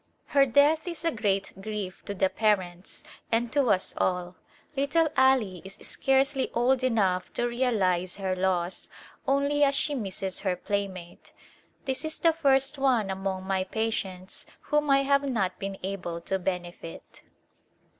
Her death is a great grief to the parents and to us all. Little Allie is scarcely old enough to realize her loss only as she misses her playmate. This is the first one among my patients whom I have not been able to benefit.